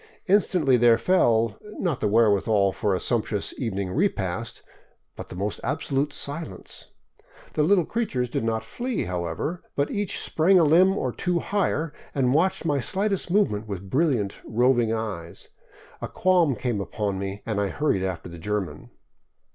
Instantly there fell, not the wherewithal for a sumptuous evening repast, but the most absolute silence. The little creatures did not flee, however, but each sprang a limb or two higher and watched my slightest movement with brilliant, roving eyes. A qualm came upon me and I hurried after the German.